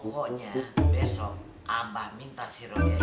pokoknya besok abah minta si roda ini dipeksin